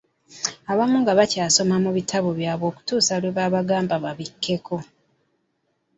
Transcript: Abamu nga bakyasoma mu bitabo byabwe okutusa lwe babagamba babikkeko.